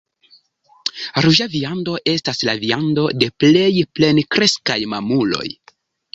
Ruĝa viando estas la viando de plej plenkreskaj mamuloj.